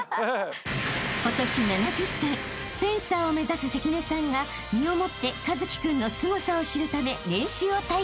［フェンサーを目指す関根さんが身をもって一輝君のすごさを知るため練習を体験］